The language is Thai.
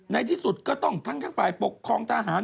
ในที่สุดก็ต้องทั้งฝ่ายปกครองทหาร